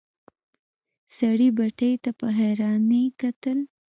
سړي بتۍ ته په حيرانی کتل.